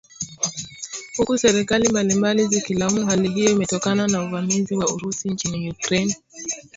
huku serikali mbalimbali zikilaumu hali hiyo imetokana na uvamizi wa Urusi nchini Ukraine